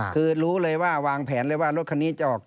คือรู้เลยว่าวางแผนเลยว่ารถคันนี้จะออก